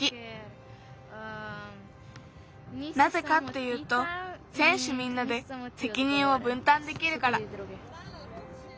なぜかっていうとせんしゅみんなでせきにんをぶんたんできるから。